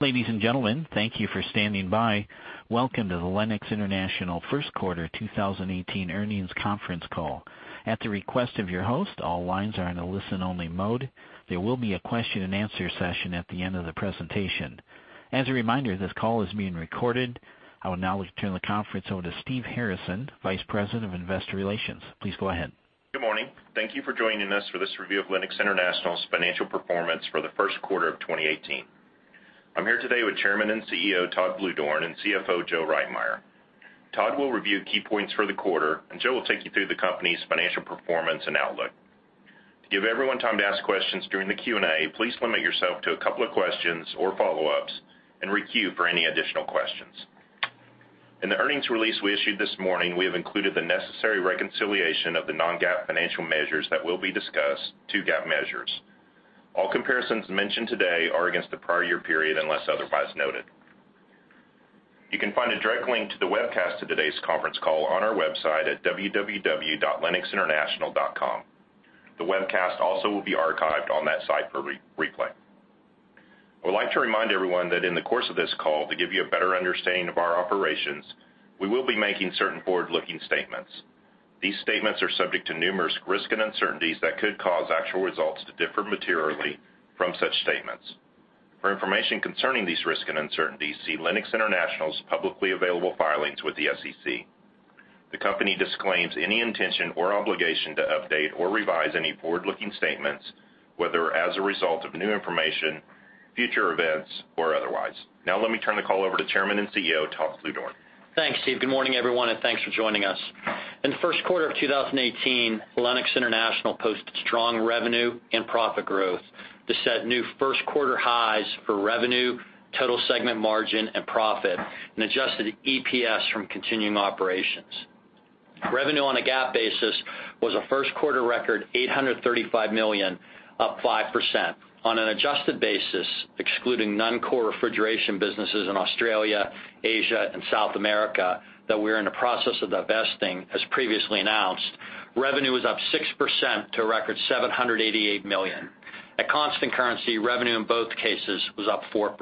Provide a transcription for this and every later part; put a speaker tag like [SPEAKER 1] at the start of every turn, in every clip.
[SPEAKER 1] Ladies and gentlemen, thank you for standing by. Welcome to the Lennox International Q1 2018 Earnings Conference Call. At the request of your host, all lines are in a listen-only mode. There will be a question and answer session at the end of the presentation. As a reminder, this call is being recorded. I will now turn the conference over to Steve Harrison, Vice President of Investor Relations. Please go ahead.
[SPEAKER 2] Good morning. Thank you for joining us for this review of Lennox International's financial performance for the Q1 of 2018. I'm here today with Chairman and CEO, Todd Bluedorn, and CFO, Joe Reitmeier. Todd will review key points for the quarter, and Joe will take you through the company's financial performance and outlook. To give everyone time to ask questions during the Q&A, please limit yourself to a couple of questions or follow-ups and re-queue for any additional questions. In the earnings release we issued this morning, we have included the necessary reconciliation of the non-GAAP financial measures that will be discussed to GAAP measures. All comparisons mentioned today are against the prior year period, unless otherwise noted. You can find a direct link to the webcast of today's conference call on our website at www.lennoxinternational.com. The webcast also will be archived on that site for replay. I would like to remind everyone that in the course of this call, to give you a better understanding of our operations, we will be making certain forward-looking statements. These statements are subject to numerous risks and uncertainties that could cause actual results to differ materially from such statements. For information concerning these risks and uncertainties, see Lennox International's publicly available filings with the SEC. The company disclaims any intention or obligation to update or revise any forward-looking statements, whether as a result of new information, future events, or otherwise. Let me turn the call over to Chairman and CEO, Todd Bluedorn.
[SPEAKER 3] Thanks, Steve. Good morning, everyone, thanks for joining us. In the Q1 of 2018, Lennox International posted strong revenue and profit growth to set new first-quarter highs for revenue, total segment margin, and profit, and adjusted EPS from continuing operations. Revenue on a GAAP basis was a first-quarter record $835 million, up 5%. On an adjusted basis, excluding non-core refrigeration businesses in Australia, Asia, and South America that we're in the process of divesting as previously announced, revenue was up 6% to a record $788 million. At constant currency, revenue in both cases was up 4%.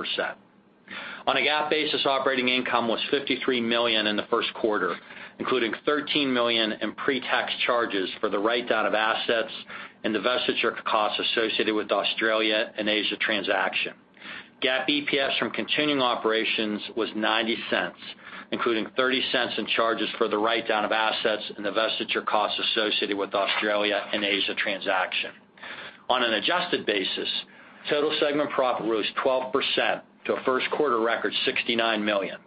[SPEAKER 3] On a GAAP basis, operating income was $53 million in the Q1, including $13 million in pre-tax charges for the write-down of assets and the divestiture costs associated with the Australia and Asia transaction. GAAP EPS from continuing operations was $0.90, including $0.30 in charges for the write-down of assets and the divestiture costs associated with Australia and Asia transaction. On an adjusted basis, total segment profit rose 12% to a first-quarter record $69 million.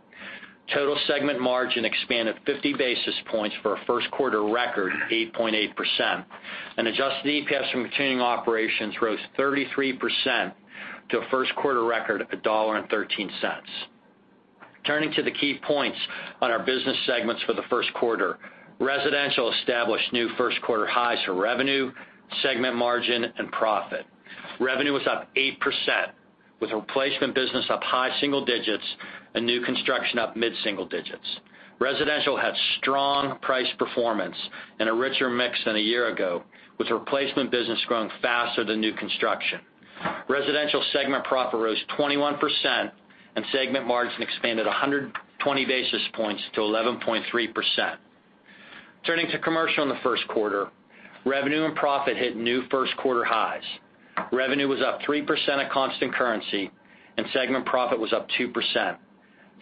[SPEAKER 3] Total segment margin expanded 50 basis points for a first-quarter record 8.8%. Adjusted EPS from continuing operations rose 33% to a first-quarter record of $1.13. Turning to the key points on our business segments for the Q1. Residential established new first-quarter highs for revenue, segment margin, and profit. Revenue was up 8%, with replacement business up high single digits and new construction up mid-single digits. Residential had strong price performance and a richer mix than a year ago, with replacement business growing faster than new construction. Residential segment profit rose 21%, and segment margin expanded 120 basis points to 11.3%. Turning to commercial in the Q1, revenue and profit hit new first-quarter highs. Revenue was up 3% at constant currency, and segment profit was up 2%.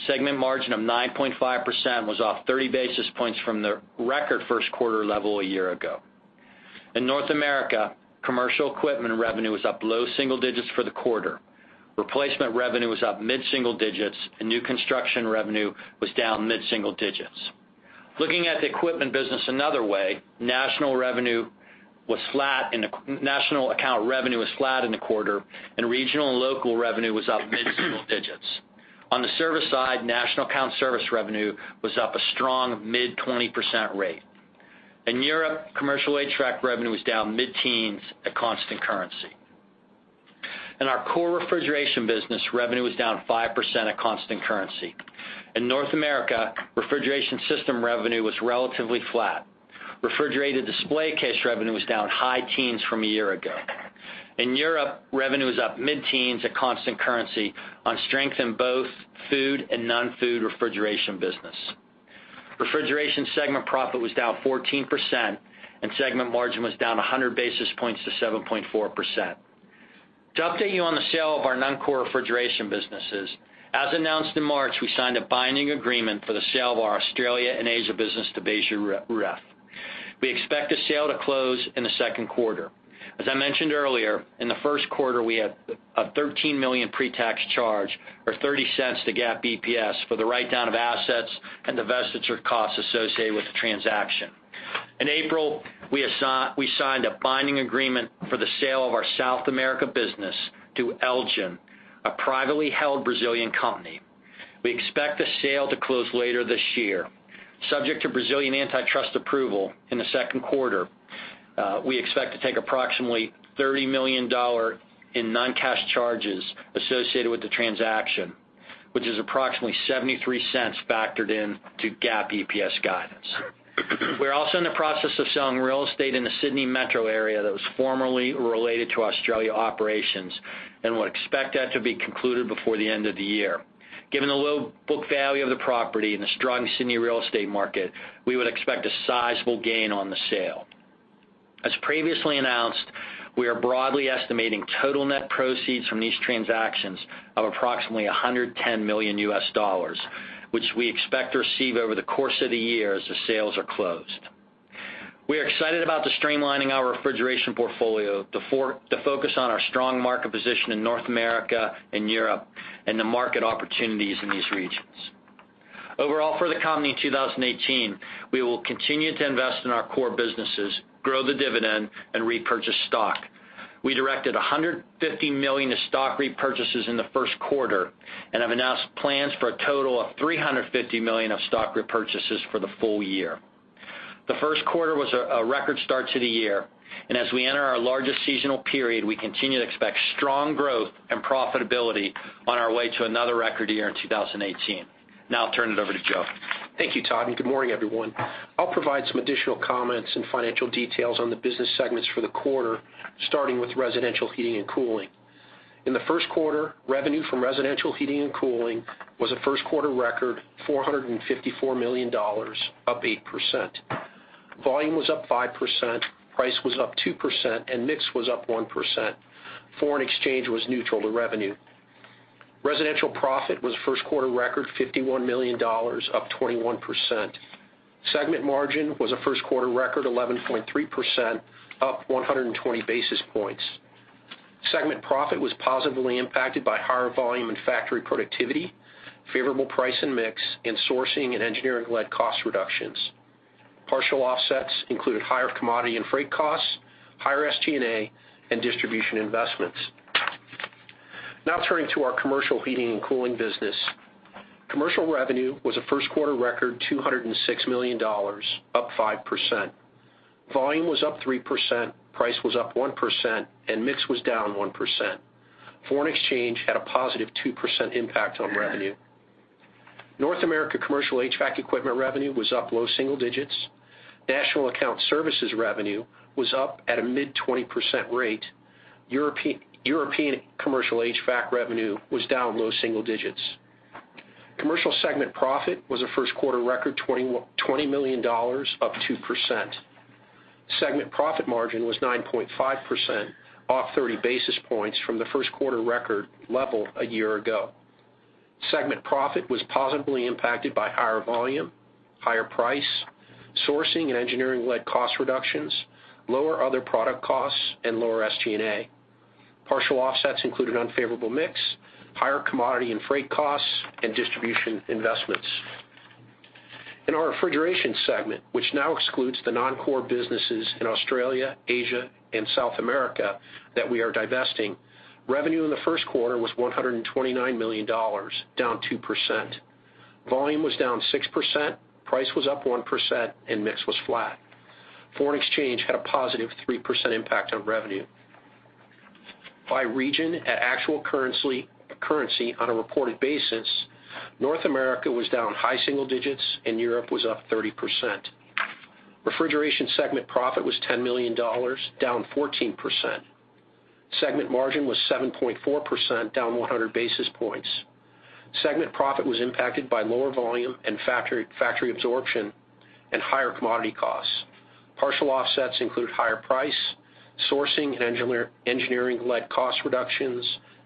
[SPEAKER 3] Segment margin of 9.5% was off 30 basis points from the record first-quarter level a year ago. In North America, commercial equipment revenue was up low single digits for the quarter. Replacement revenue was up mid-single digits, and new construction revenue was down mid-single digits. Looking at the equipment business another way, national account revenue was flat in the quarter, and regional and local revenue was up mid-single digits. On the service side, national account service revenue was up a strong mid-20% rate. In Europe, commercial HVAC revenue was down mid-teens at constant currency. In our core refrigeration business, revenue was down 5% at constant currency. In North America, refrigeration system revenue was relatively flat. Refrigerated display case revenue was down high teens from a year ago. In Europe, revenue was up mid-teens at constant currency on strength in both food and non-food refrigeration business. Refrigeration segment profit was down 14%, and segment margin was down 100 basis points to 7.4%. To update you on the sale of our non-core refrigeration businesses, as announced in March, we signed a binding agreement for the sale of our Australia and Asia business to Beijer Ref. We expect the sale to close in the Q2. As I mentioned earlier, in the Q1, we had a $13 million pre-tax charge or $0.30 to GAAP EPS for the write-down of assets and divestiture costs associated with the transaction. In April, we signed a binding agreement for the sale of our South America business to Elgin, a privately held Brazilian company. We expect the sale to close later this year. Subject to Brazilian antitrust approval in the Q2, we expect to take approximately $30 million in non-cash charges associated with the transaction which is approximately $0.73 factored into GAAP EPS guidance. We are also in the process of selling real estate in the Sydney Metro area that was formerly related to Australia operations and would expect that to be concluded before the end of the year. Given the low book value of the property and the strong Sydney real estate market, we would expect a sizable gain on the sale. As previously announced, we are broadly estimating total net proceeds from these transactions of approximately $110 million, which we expect to receive over the course of the year as the sales are closed. We are excited about the streamlining our refrigeration portfolio to focus on our strong market position in North America and Europe and the market opportunities in these regions. Overall for the company in 2018, we will continue to invest in our core businesses, grow the dividend, and repurchase stock. We directed $150 million of stock repurchases in the Q1, and have announced plans for a total of $350 million of stock repurchases for the full year. The Q1 was a record start to the year, and as we enter our largest seasonal period, we continue to expect strong growth and profitability on our way to another record year in 2018. Now I'll turn it over to Joe.
[SPEAKER 4] Thank you, Todd, good morning, everyone. I'll provide some additional comments and financial details on the business segments for the quarter, starting with residential heating and cooling. In the Q1, revenue from residential heating and cooling was a Q1 record, $454 million, up 8%. Volume was up 5%, price was up 2%, and mix was up 1%. Foreign exchange was neutral to revenue. Residential profit was Q1 record $51 million, up 21%. Segment margin was a Q1 record 11.3%, up 120 basis points. Segment profit was positively impacted by higher volume and factory productivity, favorable price and mix in sourcing and engineering-led cost reductions. Partial offsets included higher commodity and freight costs, higher SG&A, and distribution investments. Now turning to our commercial heating and cooling business. Commercial revenue was a Q1 record $206 million, up 5%. Volume was up 3%, price was up 1%, and mix was down 1%. Foreign exchange had a positive 2% impact on revenue. North America commercial HVAC equipment revenue was up low single digits. National account services revenue was up at a mid-20% rate. European commercial HVAC revenue was down low single digits. Commercial segment profit was a Q1 record $20 million, up 2%. Segment profit margin was 9.5%, off 30 basis points from the Q1 record level a year ago. Segment profit was positively impacted by higher volume, higher price, sourcing and engineering-led cost reductions, lower other product costs, and lower SG&A. Partial offsets included unfavorable mix, higher commodity and freight costs, and distribution investments. In our refrigeration segment, which now excludes the non-core businesses in Australia, Asia, and South America that we are divesting, revenue in the Q1 was $129 million, down 2%. Volume was down 6%, price was up 1%, and mix was flat. Foreign exchange had a positive 3% impact on revenue. By region at actual currency on a reported basis, North America was down high single digits and Europe was up 30%. Refrigeration segment profit was $10 million, down 14%. Segment margin was 7.4%, down 100 basis points. Segment profit was impacted by lower volume and factory absorption and higher commodity costs. Partial offsets include higher price, sourcing and engineering-led cost reductions,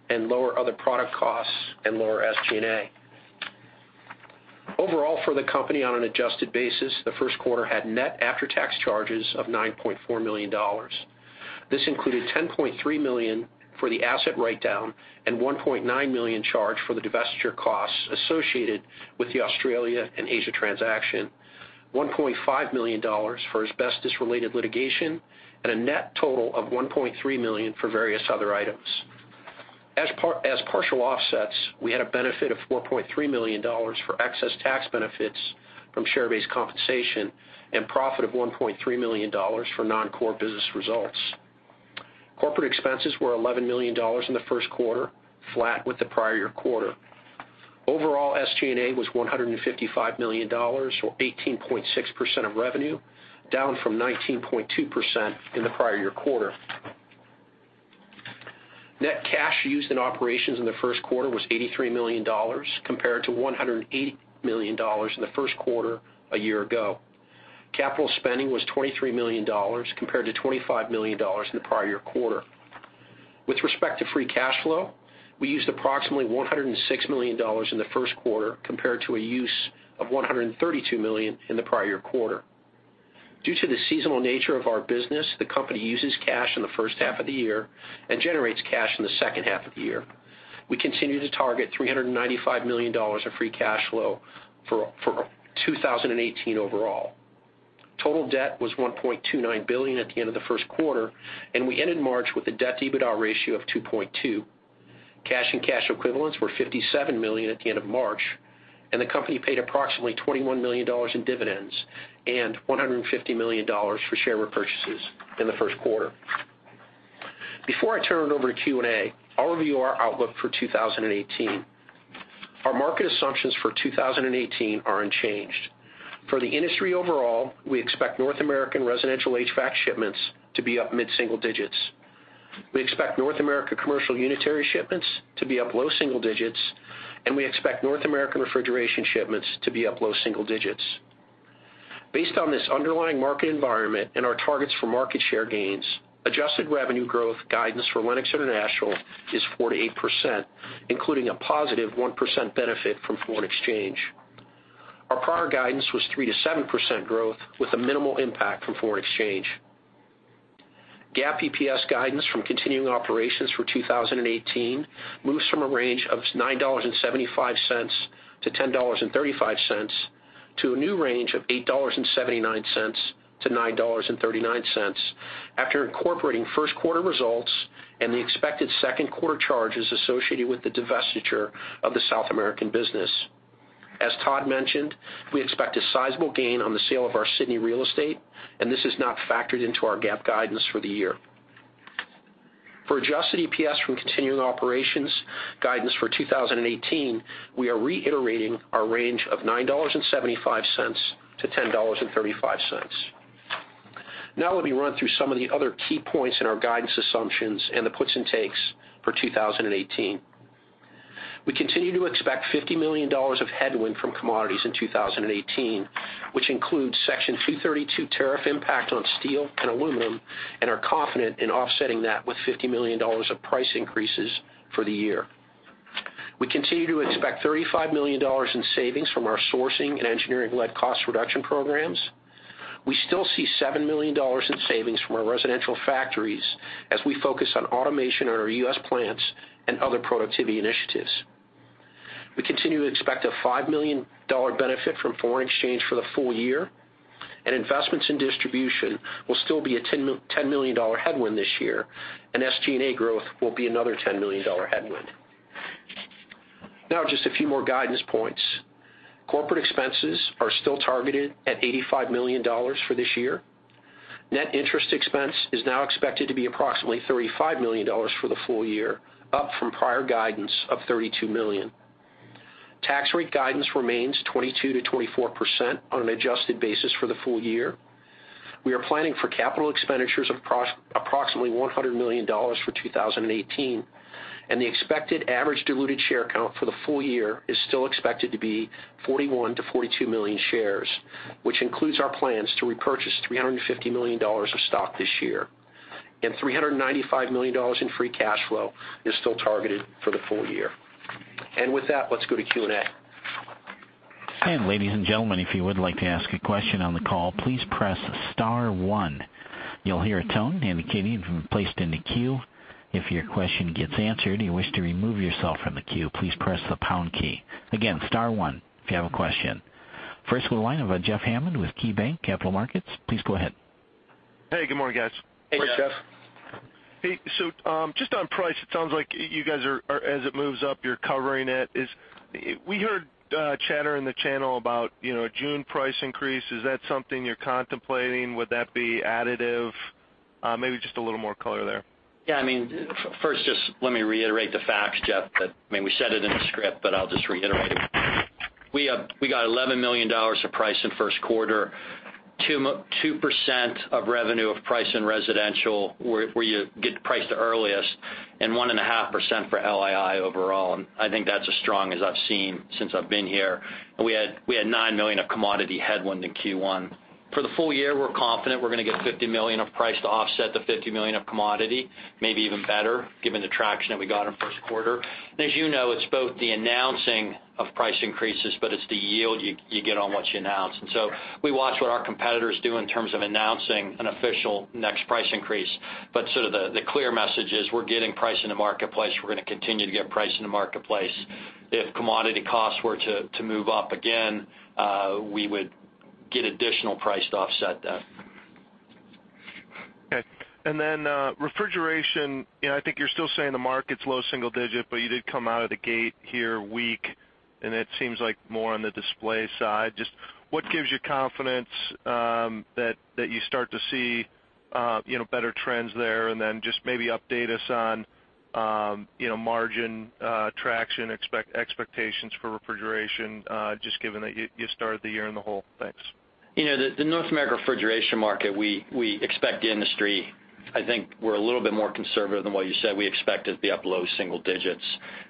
[SPEAKER 4] and lower other product costs and lower SG&A. Overall for the company on an adjusted basis, the Q1 had net after-tax charges of $9.4 million. This included $10.3 million for the asset write-down and $1.9 million charge for the divestiture costs associated with the Australia and Asia transaction, $1.5 million for asbestos-related litigation, and a net total of $1.3 million for various other items. As partial offsets, we had a benefit of $4.3 million for excess tax benefits from share-based compensation and profit of $1.3 million for non-core business results. Corporate expenses were $11 million in the Q1, flat with the prior year quarter. Overall, SG&A was $155 million, or 18.6% of revenue, down from 19.2% in the prior year quarter. Net cash used in operations in the Q1 was $83 million, compared to $180 million in the Q1 a year ago. Capital spending was $23 million, compared to $25 million in the prior year quarter. With respect to free cash flow, we used approximately $106 million in the Q1, compared to a use of $132 million in the prior year quarter. Due to the seasonal nature of our business, the company uses cash in the first half of the year and generates cash in the second half of the year. We continue to target $395 million of free cash flow for 2018 overall. Total debt was $1.29 billion at the end of the Q1, and we ended March with a debt-EBITDA ratio of 2.2. Cash and cash equivalents were $57 million at the end of March, and the company paid approximately $21 million in dividends and $150 million for share repurchases in the Q1. Before I turn it over to Q&A, I'll review our outlook for 2018. Our market assumptions for 2018 are unchanged. For the industry overall, we expect North American residential HVAC shipments to be up mid-single digits. We expect North America commercial unitary shipments to be up low single digits, and we expect North American refrigeration shipments to be up low single digits. Based on this underlying market environment and our targets for market share gains, adjusted revenue growth guidance for Lennox International is 4%-8%, including a positive 1% benefit from foreign exchange. Our prior guidance was 3%-7% growth with a minimal impact from foreign exchange. GAAP EPS guidance from continuing operations for 2018 moves from a range of $9.75-$10.35, to a new range of $8.79-$9.39 after incorporating Q1 results and the expected Q2 charges associated with the divestiture of the South American business. As Todd mentioned, we expect a sizable gain on the sale of our Sydney real estate, and this is not factored into our GAAP guidance for the year. For adjusted EPS from continuing operations guidance for 2018, we are reiterating our range of $9.75-$10.35. Now let me run through some of the other key points in our guidance assumptions and the puts and takes for 2018. We continue to expect $50 million of headwind from commodities in 2018, which includes Section 232 tariff impact on steel and aluminum, and are confident in offsetting that with $50 million of price increases for the year. We continue to expect $35 million in savings from our sourcing and engineering-led cost reduction programs. We still see $7 million in savings from our residential factories as we focus on automation in our U.S. plants and other productivity initiatives. We continue to expect a $5 million benefit from foreign exchange for the full year. Investments in distribution will still be a $10 million headwind this year. SG&A growth will be another $10 million headwind. Just a few more guidance points. Corporate expenses are still targeted at $85 million for this year. Net interest expense is now expected to be approximately $35 million for the full year, up from prior guidance of $32 million. Tax rate guidance remains 22%-24% on an adjusted basis for the full year. We are planning for capital expenditures of approximately $100 million for 2018. The expected average diluted share count for the full year is still expected to be 41 million shares-42 million shares, which includes our plans to repurchase $350 million of stock this year. $395 million in free cash flow is still targeted for the full year. With that, let's go to Q&A.
[SPEAKER 1] Ladies and gentlemen, if you would like to ask a question on the call, please press star one. You'll hear a tone indicating you've been placed in the queue. If your question gets answered and you wish to remove yourself from the queue, please press the pound key. Again, star one if you have a question. First to the line of Jeff Hammond with KeyBanc Capital Markets. Please go ahead.
[SPEAKER 5] Hey, good morning, guys.
[SPEAKER 4] Hey, Jeff.
[SPEAKER 3] Good morning.
[SPEAKER 5] Hey, just on price, it sounds like you guys are, as it moves up, you're covering it. We heard chatter in the channel about a June price increase. Is that something you're contemplating? Would that be additive? Maybe just a little more color there.
[SPEAKER 4] Yeah. First just let me reiterate the facts, Jeff. We said it in the script, but I'll just reiterate it. We got $11 million of price in Q1, 2% of revenue of price in residential, where you get the price the earliest, and 1.5% for LII overall. I think that's as strong as I've seen since I've been here. We had $9 million of commodity headwind in Q1. For the full year, we're confident we're going to get $50 million of price to offset the $50 million of commodity, maybe even better given the traction that we got in Q1. As you know, it's both the announcing of price increases, but it's the yield you get on what you announce. We watch what our competitors do in terms of announcing an official next price increase. Sort of the clear message is we're getting price in the marketplace. We're going to continue to get price in the marketplace. If commodity costs were to move up again, we would get additional price to offset that.
[SPEAKER 5] Okay. Then refrigeration. I think you're still saying the market's low single-digit, but you did come out of the gate here weak, and it seems like more on the display side. What gives you confidence that you start to see better trends there, and then maybe update us on margin traction expectations for refrigeration, just given that you started the year in the hole. Thanks.
[SPEAKER 4] The North America refrigeration market, we expect the industry, I think we're a little bit more conservative than what you said. We expect it to be up low single-digits,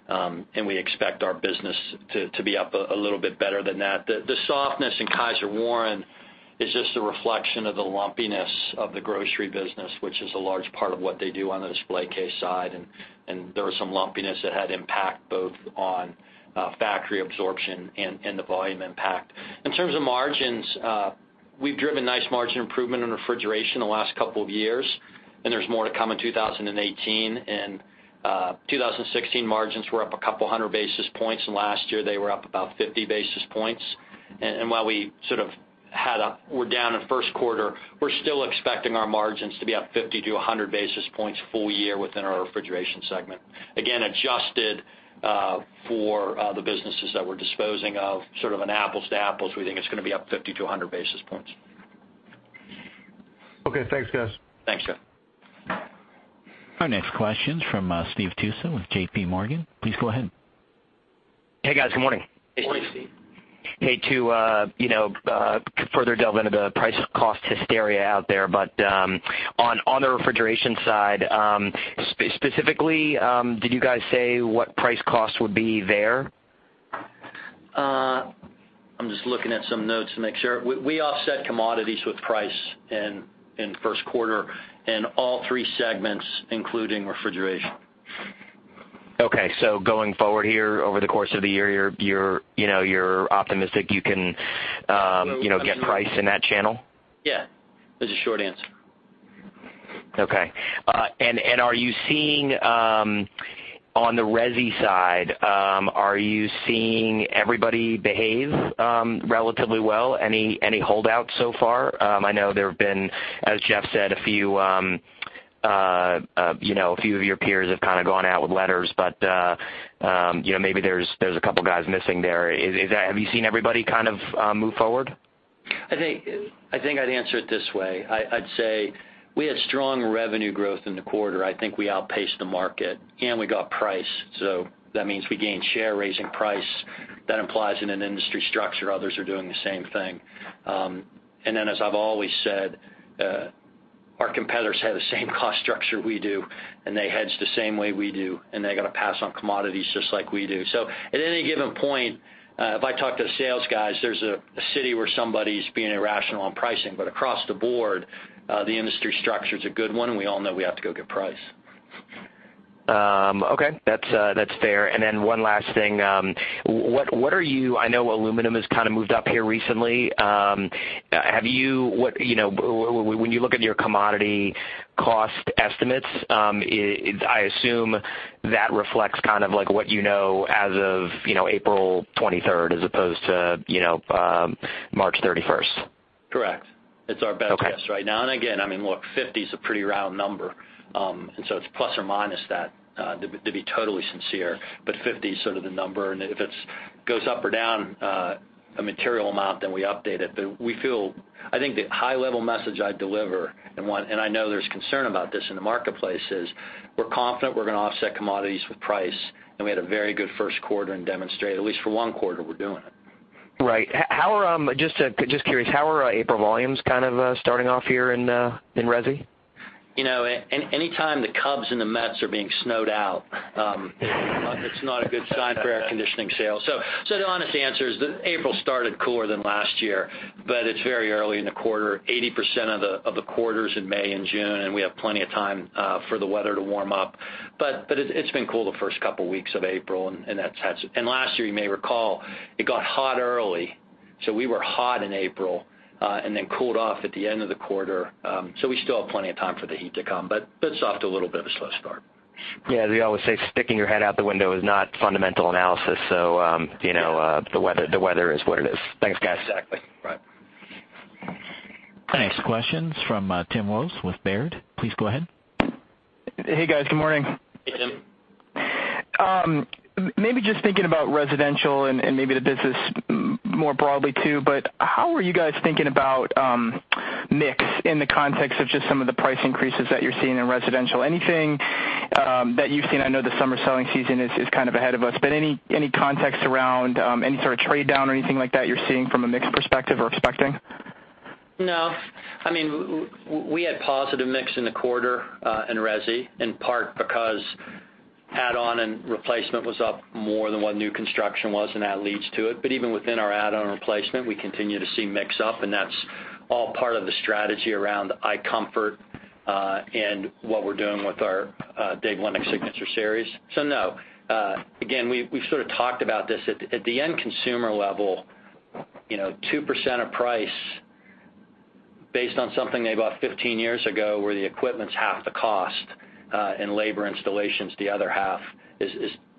[SPEAKER 4] and we expect our business to be up a little bit better than that. The softness in Kysor Warren is just a reflection of the lumpiness of the grocery business, which is a large part of what they do on the display case side, and there was some lumpiness that had impact both on factory absorption and the volume impact. In terms of margins, we've driven nice margin improvement in refrigeration in the last couple of years, and there's more to come in 2018. In 2016, margins were up a couple of hundred basis points, and last year they were up about 50 basis points. While we're down in Q1, we're still expecting our margins to be up 50 to 100 basis points full year within our refrigeration segment. Again, adjusted for the businesses that we're disposing of, sort of an apples to apples, we think it's going to be up 50 to 100 basis points.
[SPEAKER 5] Okay. Thanks, guys.
[SPEAKER 3] Thanks, Jeff.
[SPEAKER 1] Our next question's from Steve Tusa with JPMorgan. Please go ahead.
[SPEAKER 6] Hey, guys. Good morning.
[SPEAKER 3] Morning, Steve.
[SPEAKER 6] Hey, to further delve into the price cost hysteria out there, but on the refrigeration side, specifically, did you guys say what price cost would be there?
[SPEAKER 3] I'm just looking at some notes to make sure. We offset commodities with price in Q1 in all three segments, including refrigeration.
[SPEAKER 6] Okay. Going forward here over the course of the year, you're optimistic you can-
[SPEAKER 3] So-
[SPEAKER 6] get price in that channel?
[SPEAKER 3] Yeah. That's the short answer.
[SPEAKER 6] Okay. On the resi side, are you seeing everybody behave relatively well? Any holdouts so far? I know there have been, as Jeff said, a few of your peers have kind of gone out with letters, but maybe there's a couple guys missing there. Have you seen everybody kind of move forward?
[SPEAKER 3] I think I'd answer it this way. I'd say we had strong revenue growth in the quarter. I think we outpaced the market, and we got price. That means we gained share, raising price. That implies in an industry structure others are doing the same thing. As I've always said, our competitors have the same cost structure we do, and they hedge the same way we do, and they're going to pass on commodities just like we do. At any given point, if I talk to the sales guys, there's a city where somebody's being irrational on pricing. Across the board, the industry structure's a good one, and we all know we have to go get price.
[SPEAKER 6] Okay. That's fair. Then one last thing. I know aluminum has kind of moved up here recently. When you look at your commodity cost estimates, I assume that reflects kind of like what you know as of April 23rd as opposed to March 31st.
[SPEAKER 3] Correct. It's our best-
[SPEAKER 6] Okay
[SPEAKER 3] guess right now. Again, I mean, look, 50's a pretty round number. So it's ± that, to be totally sincere. 50's sort of the number, and if it goes up or down a material amount, then we update it. I think the high-level message I'd deliver, and I know there's concern about this in the marketplace, is we're confident we're going to offset commodities with price, and we had a very good Q1 and demonstrate at least for one quarter we're doing it.
[SPEAKER 6] Right. Just curious, how are April volumes kind of starting off here in resi?
[SPEAKER 3] Anytime the Cubs and the Mets are being snowed out it's not a good sign for air conditioning sales. The honest answer is that April started cooler than last year, but it's very early in the quarter. 80% of the quarter's in May and June, and we have plenty of time for the weather to warm up. It's been cool the first couple weeks of April, and last year, you may recall, it got hot early. We were hot in April, and then cooled off at the end of the quarter. We still have plenty of time for the heat to come, but it's off to a little bit of a slow start.
[SPEAKER 6] Yeah, as we always say, sticking your head out the window is not fundamental analysis, the weather is what it is. Thanks, guys.
[SPEAKER 3] Exactly. Right.
[SPEAKER 1] Our next question's from Tim Wojs with Baird. Please go ahead.
[SPEAKER 7] Hey, guys. Good morning.
[SPEAKER 3] Hey, Tim.
[SPEAKER 7] Just thinking about residential and maybe the business more broadly, too, but how are you guys thinking about mix in the context of just some of the price increases that you're seeing in residential? Anything that you've seen? I know the summer selling season is kind of ahead of us, but any context around any sort of trade down or anything like that you're seeing from a mix perspective or expecting?
[SPEAKER 3] No. We had positive mix in the quarter in resi, in part because add-on and replacement was up more than what new construction was, and that leads to it. Even within our add-on replacement, we continue to see mix up, and that's all part of the strategy around iComfort, and what we're doing with our Dave Lennox Signature Collection. No. Again, we've sort of talked about this. At the end consumer level, 2% of price based on something they bought 15 years ago where the equipment's half the cost and labor installation's the other half is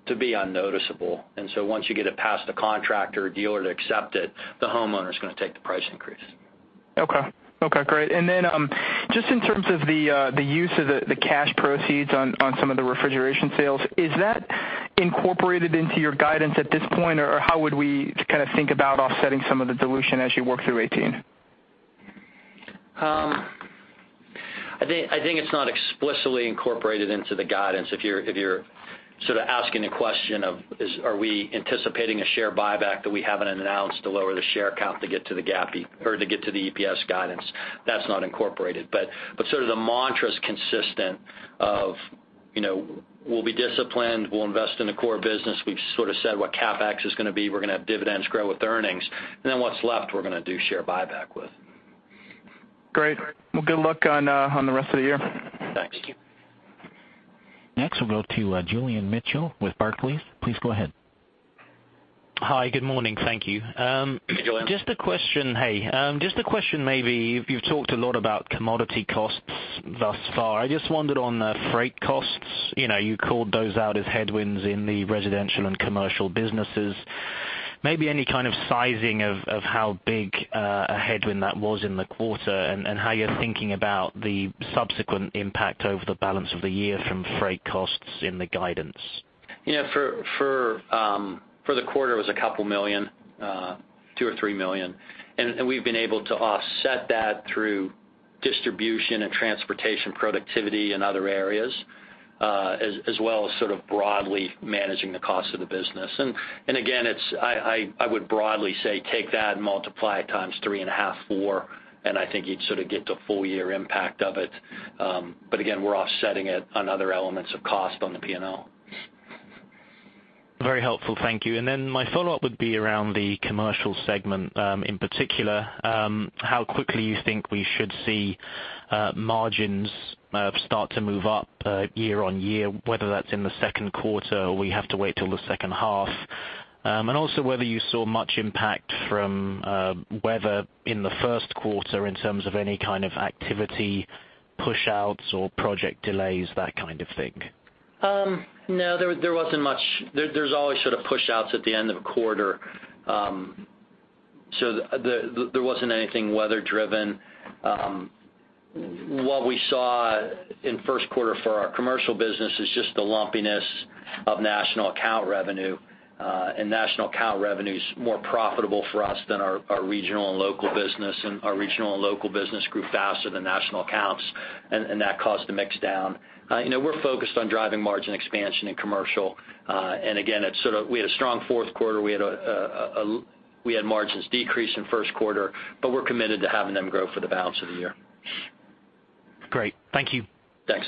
[SPEAKER 3] to be unnoticeable. Once you get it past the contractor or dealer to accept it, the homeowner's going to take the price increase.
[SPEAKER 7] Okay. Great. Just in terms of the use of the cash proceeds on some of the refrigeration sales, is that incorporated into your guidance at this point, or how would we kind of think about offsetting some of the dilution as you work through 2018?
[SPEAKER 3] I think it's not explicitly incorporated into the guidance. If you're sort of asking a question of are we anticipating a share buyback that we haven't announced to lower the share count to get to the EPS guidance, that's not incorporated. Sort of the mantra is consistent of we'll be disciplined, we'll invest in the core business. We've sort of said what CapEx is going to be. We're going to have dividends grow with earnings. What's left, we're going to do share buyback with.
[SPEAKER 7] Great. Well, good luck on the rest of the year.
[SPEAKER 3] Thanks.
[SPEAKER 1] Next, we'll go to Julian Mitchell with Barclays. Please go ahead.
[SPEAKER 8] Hi. Good morning. Thank you.
[SPEAKER 3] Hey, Julian.
[SPEAKER 8] Hey. Just a question, maybe. You've talked a lot about commodity costs thus far. I just wondered on the freight costs. You called those out as headwinds in the residential and commercial businesses. Maybe any kind of sizing of how big a headwind that was in the quarter, and how you're thinking about the subsequent impact over the balance of the year from freight costs in the guidance?
[SPEAKER 3] For the quarter, it was a couple million, $2 million or $3 million. We've been able to offset that through distribution and transportation productivity in other areas, as well as broadly managing the cost of the business. Again, I would broadly say take that and multiply it times three and a half, four, and I think you'd get the full year impact of it. Again, we're offsetting it on other elements of cost on the P&L.
[SPEAKER 8] Very helpful. Thank you. My follow-up would be around the Commercial segment, in particular, how quickly you think we should see margins start to move up year-on-year, whether that's in the Q2 or we have to wait till the second half. Also whether you saw much impact from weather in the Q1 in terms of any kind of activity push-outs or project delays, that kind of thing.
[SPEAKER 3] No, there wasn't much. There's always sort of push-outs at the end of a quarter. There wasn't anything weather driven. What we saw in Q1 for our Commercial business is just the lumpiness of national account revenue. National account revenue's more profitable for us than our regional and local business. Our regional and local business grew faster than national accounts, and that caused the mix down. We're focused on driving margin expansion in Commercial. Again, we had a strong Q4. We had margins decrease in Q1, we're committed to having them grow for the balance of the year.
[SPEAKER 8] Great. Thank you.
[SPEAKER 3] Thanks.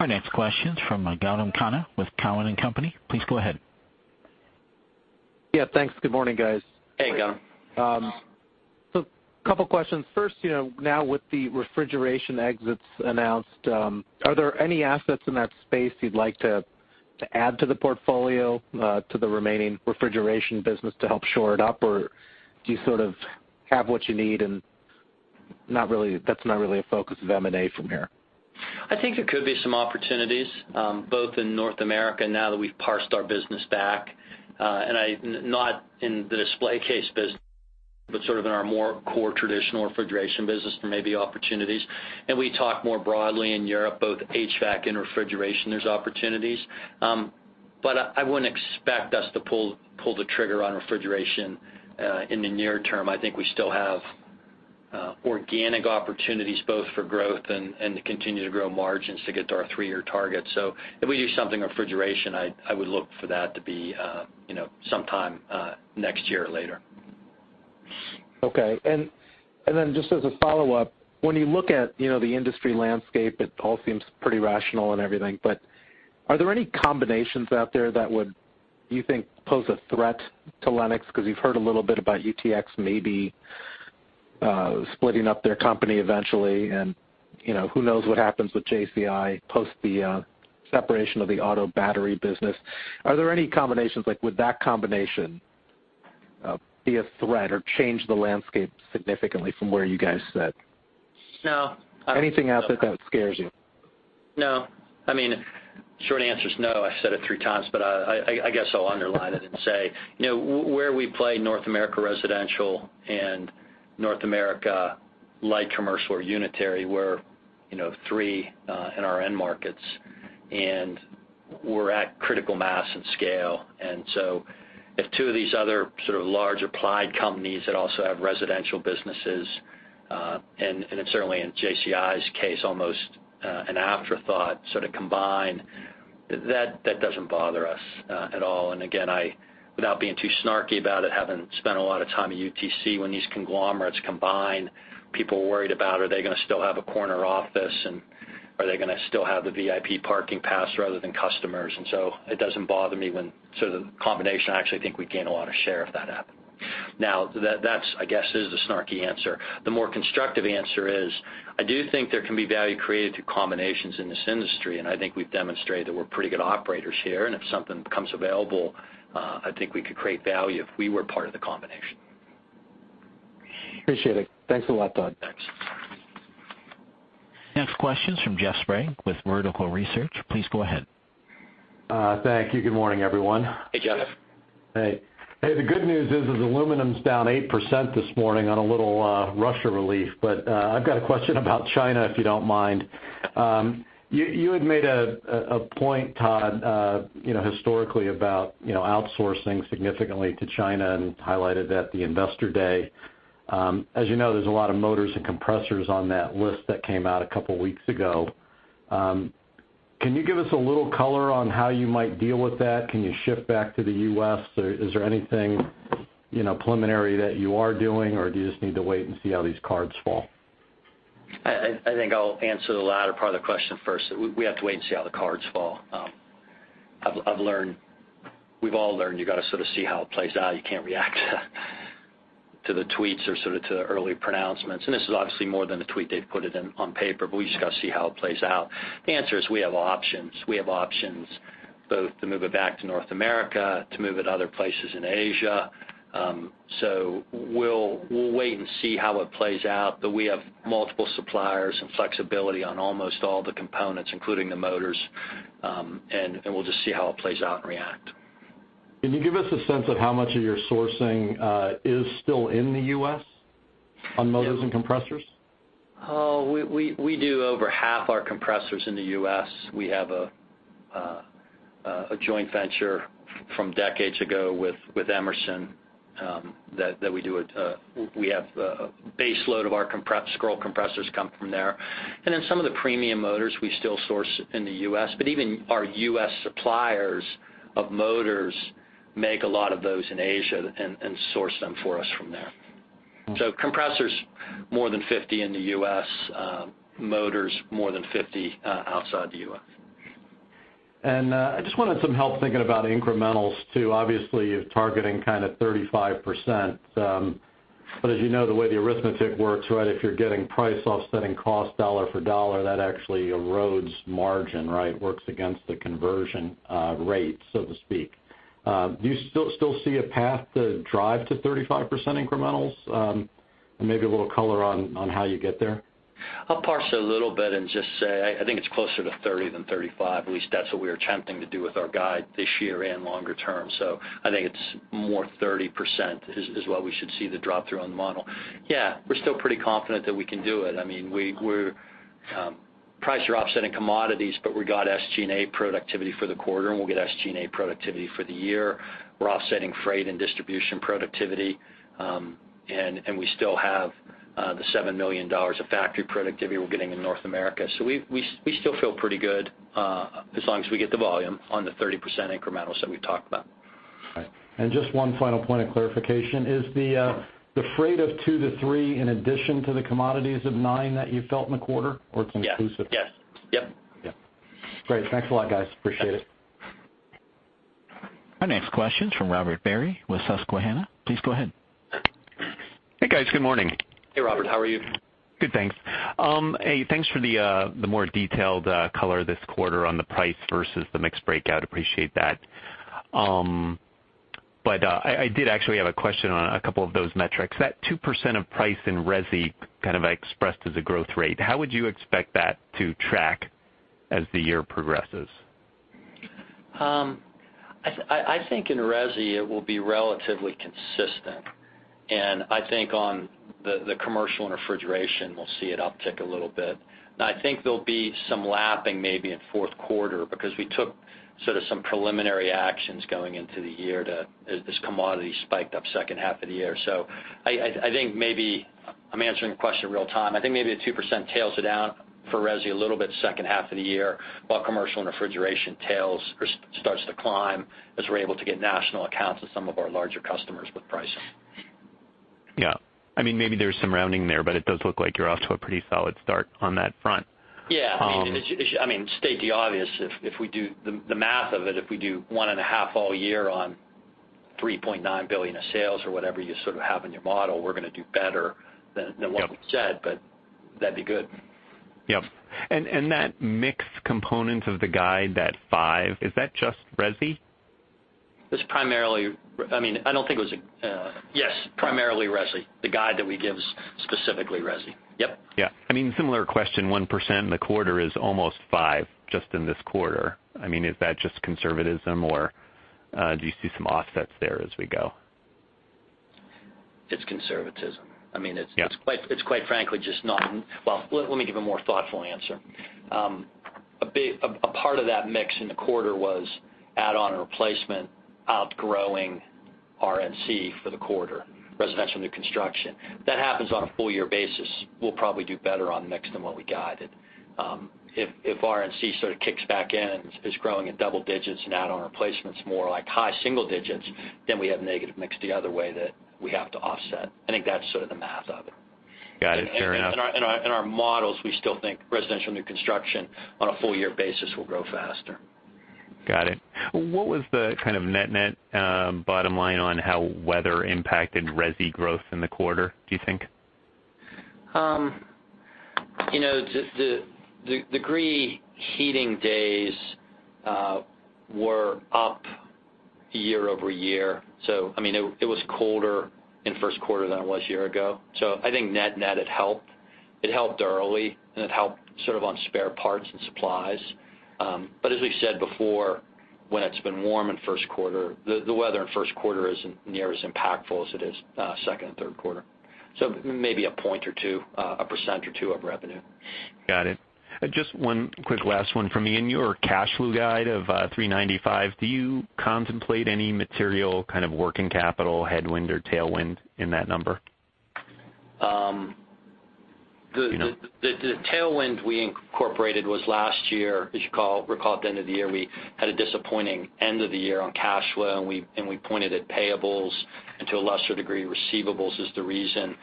[SPEAKER 1] Our next question's from Gautam Khanna with Cowen and Company. Please go ahead.
[SPEAKER 9] Thanks. Good morning, guys.
[SPEAKER 3] Hey, Gautam.
[SPEAKER 9] A couple questions. First, now with the refrigeration exits announced, are there any assets in that space you'd like to add to the portfolio, to the remaining refrigeration business to help shore it up? Or do you sort of have what you need and that's not really a focus of M&A from here?
[SPEAKER 3] I think there could be some opportunities, both in North America now that we've parsed our business back. Not in the display case business, but sort of in our more core traditional refrigeration business, there may be opportunities. We talk more broadly in Europe, both HVAC and refrigeration, there's opportunities. I wouldn't expect us to pull the trigger on refrigeration in the near term. I think we still have organic opportunities both for growth and to continue to grow margins to get to our three-year target. If we do something in refrigeration, I would look for that to be sometime next year or later.
[SPEAKER 9] Okay. Just as a follow-up, when you look at the industry landscape, it all seems pretty rational and everything, but are there any combinations out there that would, you think, pose a threat to Lennox? Because we've heard a little bit about UTX maybe splitting up their company eventually, and who knows what happens with JCI post the separation of the auto battery business. Are there any combinations, like would that combination be a threat or change the landscape significantly from where you guys sit?
[SPEAKER 3] No.
[SPEAKER 9] Anything out there that scares you?
[SPEAKER 3] No. I mean, short answer's no. I've said it three times, but I guess I'll underline it and say, where we play North America residential and North America light commercial or unitary, we're three in our end markets, and we're at critical mass and scale. If two of these other sort of large applied companies that also have residential businesses, and it's certainly in JCI's case, almost an afterthought, sort of combine, that doesn't bother us at all. Again, without being too snarky about it, having spent a lot of time at UTC, when these conglomerates combine, people are worried about are they going to still have a corner office and are they going to still have the VIP parking pass rather than customers. It doesn't bother me when sort of combination, I actually think we gain a lot of share if that happened. Now that I guess is the snarky answer. The more constructive answer is, I do think there can be value created through combinations in this industry, I think we've demonstrated that we're pretty good operators here, if something becomes available, I think we could create value if we were part of the combination.
[SPEAKER 9] Appreciate it. Thanks a lot, Todd.
[SPEAKER 3] Thanks.
[SPEAKER 1] Next question's from Jeff Sprague with Vertical Research. Please go ahead.
[SPEAKER 10] Thank you. Good morning, everyone.
[SPEAKER 3] Hey, Jeff.
[SPEAKER 10] Hey. The good news is that aluminum's down 8% this morning on a little Russia relief. I've got a question about China, if you don't mind. You had made a point, Todd, historically about outsourcing significantly to China and highlighted that at the Investor Day. As you know, there's a lot of motors and compressors on that list that came out a couple of weeks ago. Can you give us a little color on how you might deal with that? Can you shift back to the U.S. or is there anything preliminary that you are doing, or do you just need to wait and see how these cards fall?
[SPEAKER 3] I think I'll answer the latter part of the question first. We have to wait and see how the cards fall. We've all learned you got to sort of see how it plays out. You can't react to the tweets or sort of to the early pronouncements. This is obviously more than a tweet. They've put it on paper, we've just got to see how it plays out. The answer is we have options. We have options both to move it back to North America, to move it other places in Asia. We'll wait and see how it plays out, we have multiple suppliers and flexibility on almost all the components, including the motors, and we'll just see how it plays out and react.
[SPEAKER 10] Can you give us a sense of how much of your sourcing is still in the U.S. on motors and compressors?
[SPEAKER 3] We do over half our compressors in the U.S. We have a joint venture from decades ago with Emerson that we have a base load of our scroll compressors come from there. Some of the premium motors we still source in the U.S., even our U.S. suppliers of motors make a lot of those in Asia and source them for us from there. Compressors, more than 50 in the U.S. Motors, more than 50 outside the U.S.
[SPEAKER 10] I just wanted some help thinking about incrementals too. Obviously, you're targeting kind of 35%, but as you know, the way the arithmetic works, right, if you're getting price offsetting cost dollar for dollar, that actually erodes margin, right? Works against the conversion rate, so to speak. Do you still see a path to drive to 35% incrementals? Maybe a little color on how you get there.
[SPEAKER 3] I'll parse a little bit and just say I think it's closer to 30 than 35. At least that's what we are attempting to do with our guide this year and longer term. I think it's more 30% is what we should see the drop-through on the model. Yeah, we're still pretty confident that we can do it. Prices are offsetting commodities, but we got SG&A productivity for the quarter, and we'll get SG&A productivity for the year. We're offsetting freight and distribution productivity, and we still have the $7 million of factory productivity we're getting in North America. We still feel pretty good, as long as we get the volume on the 30% incrementals that we've talked about.
[SPEAKER 10] Right. Just one final point of clarification. Is the freight of two to three in addition to the commodities of nine that you felt in the quarter? It's inclusive?
[SPEAKER 3] Yes. Yep.
[SPEAKER 10] Yeah. Great. Thanks a lot, guys. Appreciate it.
[SPEAKER 1] Our next question is from Robert Berry with Susquehanna. Please go ahead.
[SPEAKER 11] Hey, guys. Good morning.
[SPEAKER 3] Hey, Robert. How are you?
[SPEAKER 11] Good, thanks. Hey, thanks for the more detailed color this quarter on the price versus the mix breakout. Appreciate that. I did actually have a question on a couple of those metrics. That 2% of price in resi kind of expressed as a growth rate. How would you expect that to track as the year progresses?
[SPEAKER 3] I think in resi it will be relatively consistent, and I think on the commercial and refrigeration, we'll see it uptick a little bit. I think there'll be some lapping maybe in Q4 because we took sort of some preliminary actions going into the year as this commodity spiked up second half of the year. I think maybe I'm answering the question real time. I think maybe the 2% tails it out for resi a little bit second half of the year while commercial and refrigeration tails or starts to climb as we're able to get national accounts with some of our larger customers with pricing.
[SPEAKER 11] Yeah. Maybe there's some rounding there. It does look like you're off to a pretty solid start on that front.
[SPEAKER 3] Yeah. To state the obvious, if we do the math of it, if we do one and a half all year on $3.9 billion of sales or whatever you sort of have in your model, we're going to do better than what we've said, but that'd be good.
[SPEAKER 11] Yep. That mix component of the guide, that five, is that just resi?
[SPEAKER 3] It's primarily, I don't think it was Yes, primarily resi. The guide that we give is specifically resi. Yep.
[SPEAKER 11] Yeah. Similar question, 1% in the quarter is almost five just in this quarter. Is that just conservatism or do you see some offsets there as we go?
[SPEAKER 3] It's conservatism.
[SPEAKER 11] Yeah.
[SPEAKER 3] Let me give a more thoughtful answer. A part of that mix in the quarter was add-on and replacement outgrowing RNC for the quarter, residential new construction. That happens on a full year basis. We'll probably do better on mix than what we guided. If RNC sort of kicks back in and is growing at double digits and add-on replacement's more like high single digits, then we have negative mix the other way that we have to offset. I think that's sort of the math of it.
[SPEAKER 11] Got it. Fair enough.
[SPEAKER 3] In our models, we still think residential new construction on a full year basis will grow faster.
[SPEAKER 11] Got it. What was the kind of net net bottom line on how weather impacted resi growth in the quarter, do you think?
[SPEAKER 3] The degree heating days were up year-over-year. It was colder in Q1 than it was a year ago. I think net net it helped. It helped early, and it helped sort of on spare parts and supplies. As we've said before, when it's been warm in Q1, the weather in Q1 isn't near as impactful as it is second and Q3. Maybe a point or two, a percent or two of revenue.
[SPEAKER 11] Got it. Just one quick last one from me. In your cash flow guide of $395, do you contemplate any material kind of working capital headwind or tailwind in that number?
[SPEAKER 3] The tailwind we incorporated was last year. You recall at the end of the year, we had a disappointing end of the year on cash flow, and we pointed at payables and to a lesser degree receivables as the reason.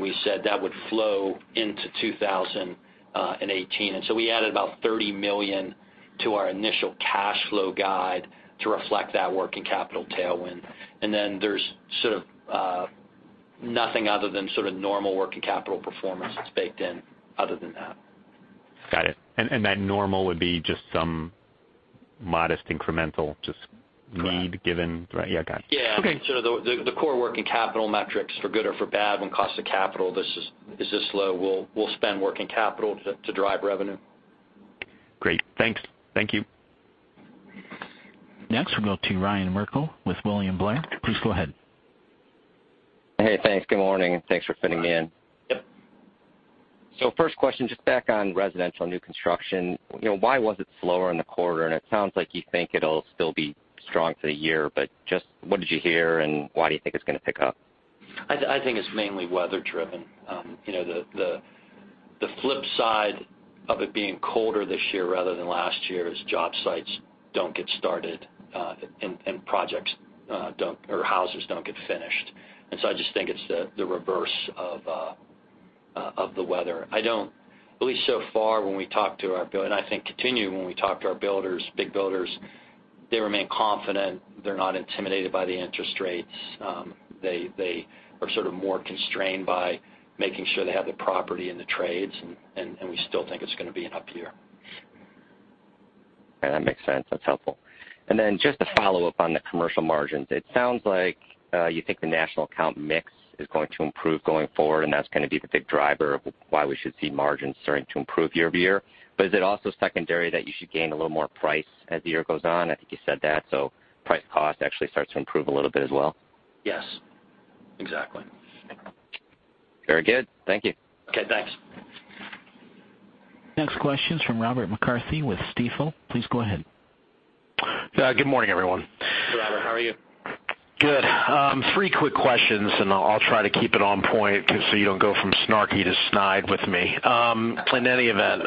[SPEAKER 3] We said that would flow into 2018. We added about $30 million to our initial cash flow guide to reflect that working capital tailwind. There's sort of nothing other than sort of normal working capital performance that's baked in other than that.
[SPEAKER 11] Got it. That normal would be just some modest incremental need given-
[SPEAKER 3] Correct.
[SPEAKER 11] Right. Yeah. Got it. Okay.
[SPEAKER 3] Yeah. Sort of the core working capital metrics for good or for bad when cost of capital is this low, we'll spend working capital to drive revenue. Great. Thanks. Thank you.
[SPEAKER 1] Next, we'll go to Ryan Merkel with William Blair. Please go ahead.
[SPEAKER 12] Hey, thanks. Good morning, and thanks for fitting me in.
[SPEAKER 3] Yep.
[SPEAKER 12] First question, just back on residential new construction. Why was it slower in the quarter? It sounds like you think it'll still be strong for the year, but just what did you hear and why do you think it's going to pick up?
[SPEAKER 3] I think it's mainly weather driven. The flip side of it being colder this year rather than last year is job sites don't get started, and projects or houses don't get finished. I just think it's the reverse of the weather. At least so far, when we talk to our build, and I think continuing when we talk to our builders, big builders, they remain confident. They're not intimidated by the interest rates. They are sort of more constrained by making sure they have the property and the trades, and we still think it's going to be an up year.
[SPEAKER 12] Okay, that makes sense. That's helpful. Just to follow up on the commercial margins, it sounds like you think the national account mix is going to improve going forward, and that's going to be the big driver of why we should see margins starting to improve year-over-year. Is it also secondary that you should gain a little more price as the year goes on? I think you said that. Price cost actually starts to improve a little bit as well?
[SPEAKER 3] Yes. Exactly.
[SPEAKER 12] Very good. Thank you.
[SPEAKER 3] Okay, thanks.
[SPEAKER 1] Next question's from Robert McCarthy with Stifel. Please go ahead.
[SPEAKER 13] Good morning, everyone.
[SPEAKER 3] Hey, Robert. How are you?
[SPEAKER 13] Good. I'll try to keep it on point so you don't go from snarky to snide with me. In any event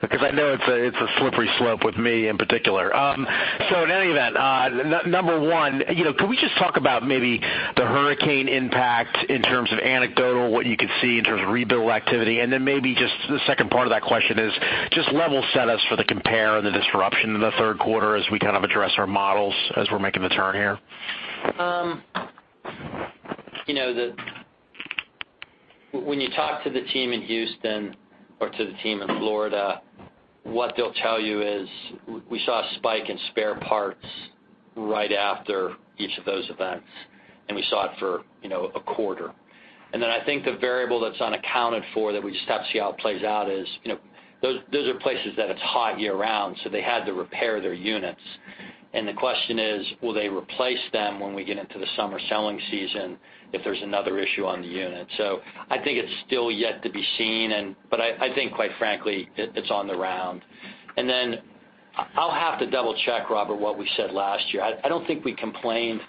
[SPEAKER 13] because I know it's a slippery slope with me in particular. In any event, number one, can we just talk about maybe the hurricane impact in terms of anecdotal, what you could see in terms of rebuild activity, and then maybe just the second part of that question is just level set us for the compare and the disruption in the Q3 as we kind of address our models as we're making the turn here.
[SPEAKER 3] When you talk to the team in Houston or to the team in Florida, what they'll tell you is we saw a spike in spare parts right after each of those events, we saw it for a quarter. I think the variable that's unaccounted for that we just have to see how it plays out is, those are places that it's hot year round, so they had to repair their units. The question is, will they replace them when we get into the summer selling season if there's another issue on the unit? I think it's still yet to be seen, but I think quite frankly it's on the round. I'll have to double check, Robert, what we said last year. I don't think we complained.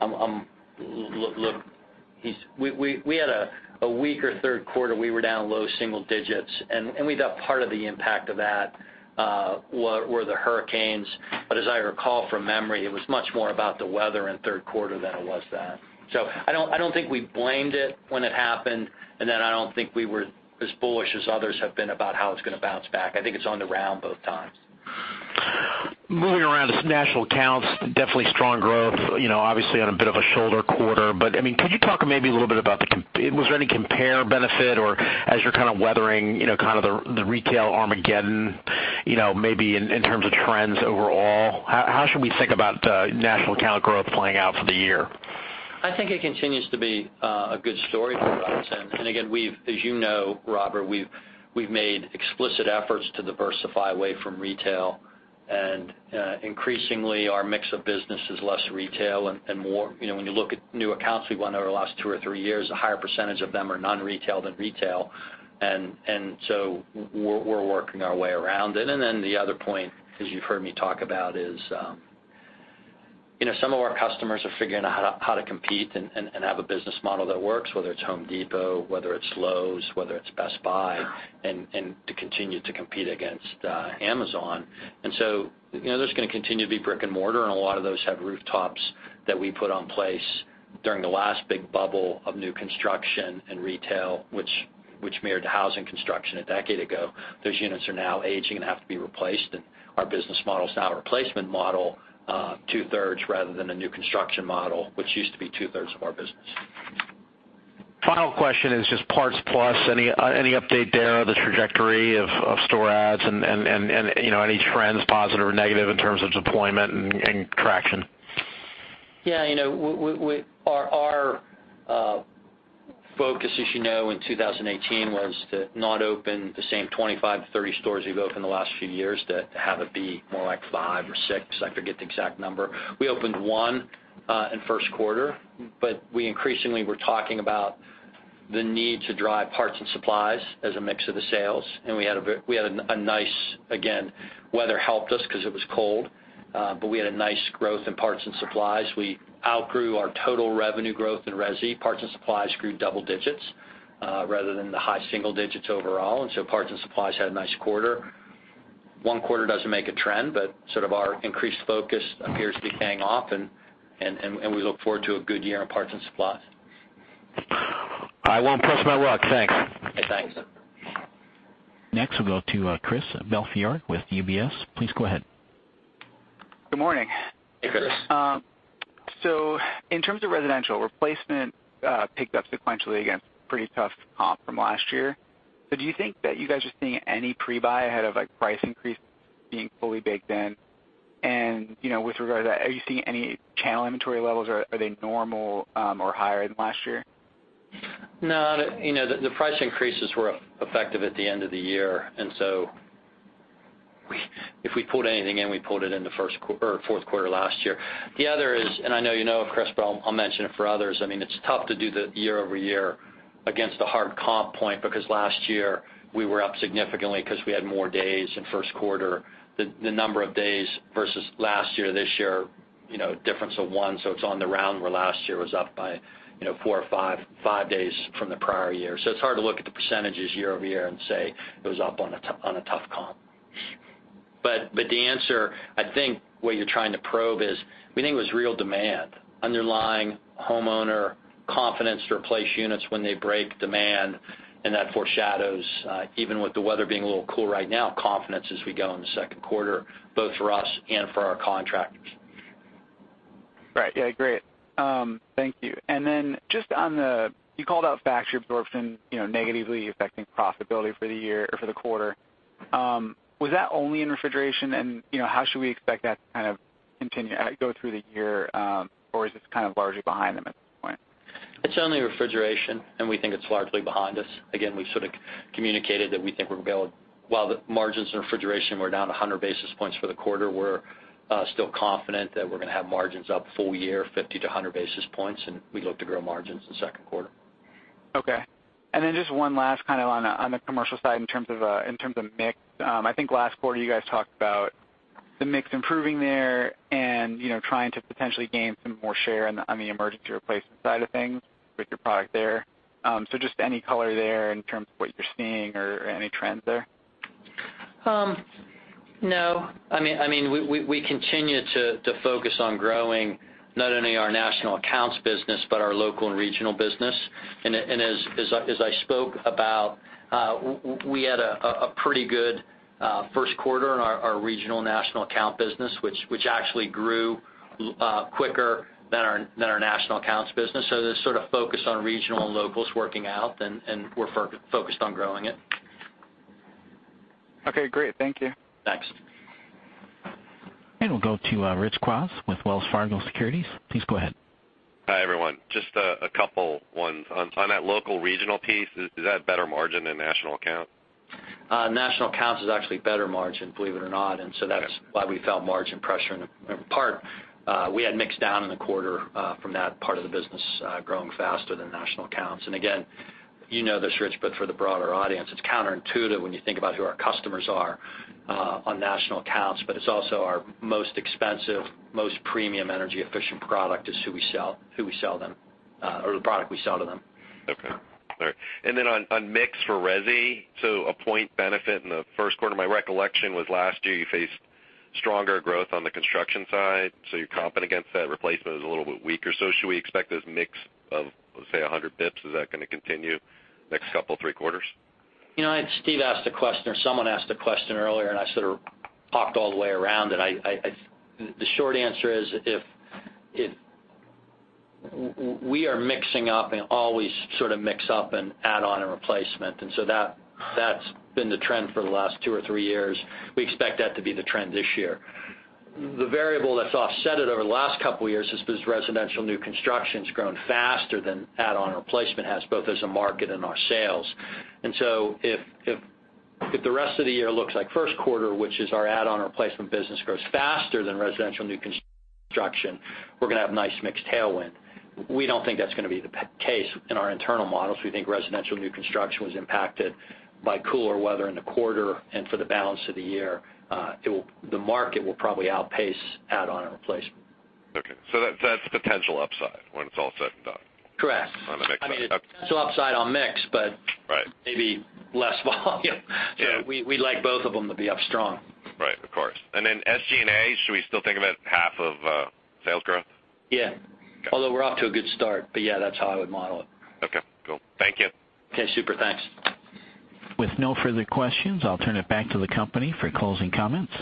[SPEAKER 3] Look, we had a weaker Q3. We were down low single digits, we thought part of the impact of that were the hurricanes. As I recall from memory, it was much more about the weather in the Q3 than it was that. I don't think we blamed it when it happened, I don't think we were as bullish as others have been about how it's going to bounce back. I think it's on the round both times.
[SPEAKER 13] Moving around to some national accounts, definitely strong growth, obviously on a bit of a shoulder quarter. Could you talk maybe a little bit about, was there any compare benefit or as you're kind of weathering the retail Armageddon maybe in terms of trends overall? How should we think about national account growth playing out for the year?
[SPEAKER 3] I think it continues to be a good story for us. Again, as you know, Robert, we've made explicit efforts to diversify away from retail, and increasingly, our mix of business is less retail and more When you look at new accounts we've won over the last two or three years, a higher percentage of them are non-retail than retail. So we're working our way around it. Then the other point, as you've heard me talk about, is some of our customers are figuring out how to compete and have a business model that works, whether it's The Home Depot, whether it's Lowe's, whether it's Best Buy, and to continue to compete against Amazon. There's going to continue to be brick and mortar, and a lot of those have rooftops that we put on place during the last big bubble of new construction and retail, which mirrored housing construction a decade ago. Those units are now aging and have to be replaced, and our business model is now a replacement model, two-thirds rather than a new construction model, which used to be two-thirds of our business.
[SPEAKER 13] Final question is just PartsPlus. Any update there on the trajectory of store adds and any trends, positive or negative, in terms of deployment and traction?
[SPEAKER 3] Yeah. Our focus, as you know, in 2018 was to not open the same 25-30 stores we've opened the last few years, to have it be more like five or six. I forget the exact number. We opened one in Q1, but we increasingly were talking about the need to drive parts and supplies as a mix of the sales. We had a nice, again, weather helped us because it was cold, but we had a nice growth in parts and supplies. We outgrew our total revenue growth in resi. Parts and supplies grew double digits rather than the high single digits overall, parts and supplies had a nice quarter. One quarter doesn't make a trend, but sort of our increased focus appears to be paying off, and we look forward to a good year in parts and supplies.
[SPEAKER 13] I won't press my luck. Thanks.
[SPEAKER 3] Thanks.
[SPEAKER 1] Next, we'll go to Christopher Belfiore with UBS. Please go ahead.
[SPEAKER 14] Good morning.
[SPEAKER 3] Hey, Chris.
[SPEAKER 14] In terms of residential, replacement picked up sequentially against a pretty tough comp from last year. Do you think that you guys are seeing any pre-buy ahead of price increases being fully baked in? With regard to that, are you seeing any channel inventory levels, or are they normal or higher than last year?
[SPEAKER 3] No, the price increases were effective at the end of the year, and so if we pulled anything in, we pulled it in the Q4 last year. The other is, I know you know, Chris, but I'll mention it for others. It's tough to do the year-over-year against a hard comp point because last year we were up significantly because we had more days in the Q1. The number of days versus last year, this year, difference of one, so it's on the round, where last year was up by four or five days from the prior year. It's hard to look at the percentages year-over-year and say it was up on a tough comp. The answer, I think what you're trying to probe is, we think it was real demand. Underlying homeowner confidence to replace units when they break demand, that foreshadows, even with the weather being a little cool right now, confidence as we go in the Q2, both for us and for our contractors.
[SPEAKER 14] Right. Yeah, great. Thank you. You called out factory absorption negatively affecting profitability for the quarter. Was that only in refrigeration? How should we expect that to go through the year? Or is this kind of largely behind them at this point?
[SPEAKER 3] It's only refrigeration, and we think it's largely behind us. Again, we've sort of communicated that while the margins in refrigeration were down 100 basis points for the quarter, we're still confident that we're going to have margins up full year 50 to 100 basis points, and we look to grow margins the Q2.
[SPEAKER 14] Okay. Just one last on the commercial side in terms of mix. I think last quarter you guys talked about the mix improving there and trying to potentially gain some more share on the emergency replacement side of things with your product there. Just any color there in terms of what you're seeing or any trends there?
[SPEAKER 3] No. We continue to focus on growing not only our national accounts business, but our local and regional business. As I spoke about, we had a pretty good Q1 in our regional national account business, which actually grew quicker than our national accounts business. This sort of focus on regional and local is working out, and we're focused on growing it.
[SPEAKER 14] Okay, great. Thank you.
[SPEAKER 3] Thanks.
[SPEAKER 1] We'll go to Rich Kwas with Wells Fargo Securities. Please go ahead.
[SPEAKER 15] Hi, everyone. Just a couple ones. On that local regional piece, is that better margin than national account?
[SPEAKER 3] National accounts is actually better margin, believe it or not. So that's why we felt margin pressure in part. We had mix down in the quarter from that part of the business growing faster than national accounts. Again, you know this Rich, but for the broader audience, it's counterintuitive when you think about who our customers are on national accounts, but it's also our most expensive, most premium energy-efficient product is the product we sell to them.
[SPEAKER 15] Okay. All right. On mix for resi, a point benefit in the Q1. My recollection was last year you faced stronger growth on the construction side, so you're comping against that. Replacement was a little bit weaker. Should we expect this mix of, say, 100 basis points? Is that going to continue the next couple, three quarters?
[SPEAKER 3] Steve asked a question, or someone asked a question earlier, and I sort of talked all the way around it. The short answer is we are mixing up and always sort of mix up and add on a replacement. That's been the trend for the last two or three years. We expect that to be the trend this year. The variable that's offset it over the last couple of years has been Residential New Construction's grown faster than add-on replacement has, both as a market and our sales. If the rest of the year looks like Q1, which is our add-on replacement business grows faster than Residential New Construction, we're going to have nice mixed tailwind. We don't think that's going to be the case in our internal models. We think Residential New Construction was impacted by cooler weather in the quarter. For the balance of the year, the market will probably outpace add-on and replacement.
[SPEAKER 15] Okay, that's potential upside when it's all said and done.
[SPEAKER 3] Correct.
[SPEAKER 15] On the mix side.
[SPEAKER 3] It's upside on mix.
[SPEAKER 15] Right
[SPEAKER 3] Maybe less volume.
[SPEAKER 15] Yeah.
[SPEAKER 3] We'd like both of them to be up strong.
[SPEAKER 15] Right. Of course. SG&A, should we still think of it half of sales growth?
[SPEAKER 3] Yeah.
[SPEAKER 15] Okay.
[SPEAKER 3] Although we're off to a good start, yeah, that's how I would model it.
[SPEAKER 15] Okay, cool. Thank you.
[SPEAKER 3] Okay, super. Thanks.
[SPEAKER 1] With no further questions, I'll turn it back to the company for closing comments.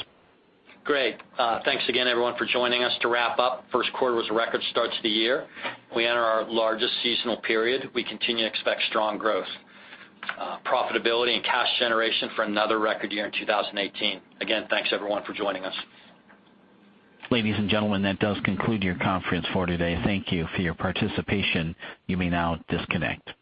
[SPEAKER 3] Great. Thanks again, everyone, for joining us. To wrap up, Q1 was a record start to the year. We enter our largest seasonal period. We continue to expect strong growth, profitability, and cash generation for another record year in 2018. Again, thanks everyone for joining us.
[SPEAKER 1] Ladies and gentlemen, that does conclude your conference for today. Thank you for your participation. You may now disconnect.